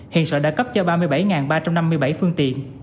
hiện sở đã cấp cho ba mươi bảy ba trăm năm mươi bảy phương tiện